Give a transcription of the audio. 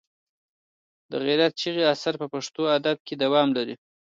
د غیرت چغې اثر په پښتو ادب کې دوام لري.